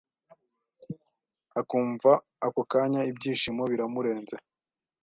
akumva ako kanya ibyishimo biramurenze